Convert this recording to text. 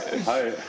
はい。